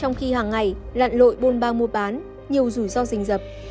trong khi hàng ngày lặn lội bôn bao mua bán nhiều rủi ro rình rập